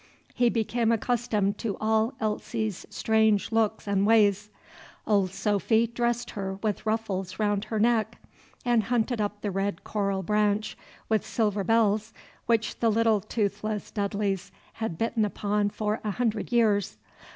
He became accustomed to all Elsie's strange looks and ways. Old Sophy dressed her with ruffles round her neck, and hunted up the red coral branch with silver bells which the little toothless Dudleys had bitten upon for a hundred years.